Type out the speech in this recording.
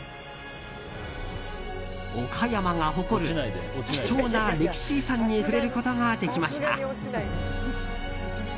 岡山が誇る貴重な歴史遺産に触れることができました。